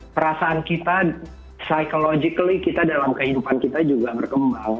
perasaan kita psychologically kita dalam kehidupan kita juga berkembang